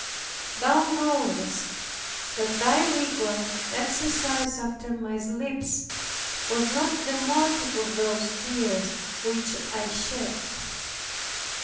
Thou knowest that Thy rigor, exercised after my slips, was not the motive of those tears which I shed.